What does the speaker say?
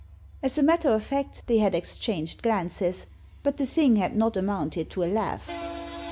As a matter of fact, they had ex changed glances — ^but the thing had not amounted to a laugh.